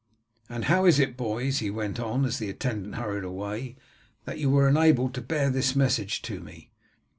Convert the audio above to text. And how is it, boys," he went on, as the attendant hurried away, "that you were enabled to bear this message to me?"